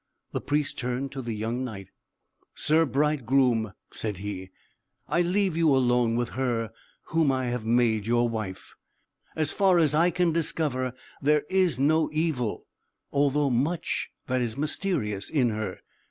The Priest turned to the young Knight. "Sir bridegroom," said he, "I leave you alone with her whom I have made your wife. As far as I can discover, there is no evil, although much that is mysterious, in her.